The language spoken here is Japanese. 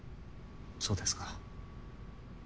そうですか。